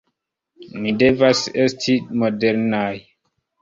Ni devas esti modernaj!